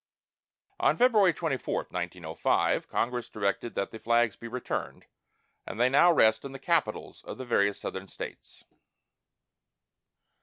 On February 24, 1905, Congress directed that the flags be returned, and they now rest in the capitols of the various Southern States.